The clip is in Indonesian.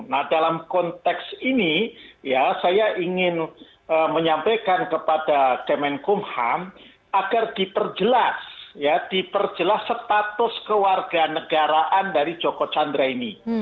nah dalam konteks ini ya saya ingin menyampaikan kepada kemenkumham agar diperjelas ya diperjelas status kewarganegaraan dari joko chandra ini